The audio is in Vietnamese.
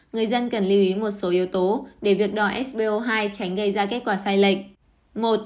người dân cần lưu ý một số yếu tố để việc đòi sbo hai tránh gây ra kết quả sai lệch